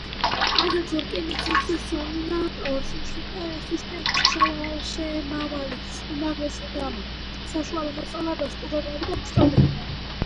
აგრეთვე, რკინიგზის სამინისტროს სისტემაში შემავალი უმაღლესი და საშუალო სასწავლებლების სტუდენტები და მოსწავლეები.